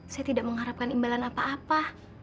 saya tidak mengharapkan imbalan apa apa